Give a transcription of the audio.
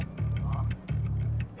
あっ！